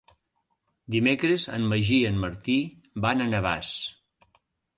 Dimecres en Magí i en Martí van a Navàs.